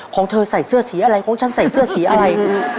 ของเธอใส่เสื้อสีอะไรของฉันใส่เสื้อสีอะไร